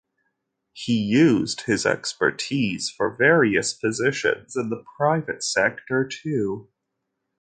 He used his expertise for various positions in the private sector too.